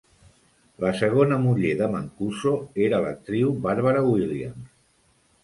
La segona muller de Mancuso era l'actriu Barbara Williams.